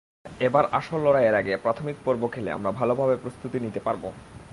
এবার আসল লড়াইয়ের আগে প্রাথমিক পর্ব খেলে আমরা ভালোভাবে প্রস্তুতি নিতে পারব।